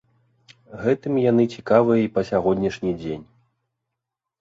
Гэтым яны цікавыя і па сягонняшні дзень.